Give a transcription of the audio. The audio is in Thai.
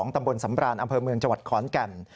ตำบลสำรานอำเภอเมืองจังหวัดขอนแก่น